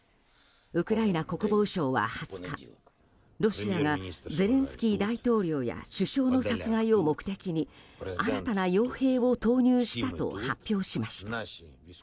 ウクライナ国防省は２０日ロシアがゼレンスキー大統領や首相の殺害を目的に新たな傭兵を投入したと発表しました。